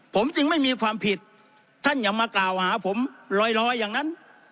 ผมจึงไม่มีความผิดท่านอย่ามากล่าวหาผมลอยอย่างนั้น